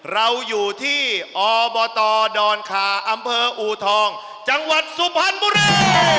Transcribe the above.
เราอยู่ที่อบตดอนคาออูทองจังหวัดสุภัณฑ์บุรี